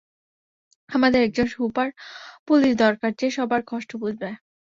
আমাদের একজন super police দরকার, যে সবার কষ্ট বুঝবে।